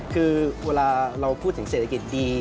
คือเวลาเราพูดถึงเศรษฐกิจดี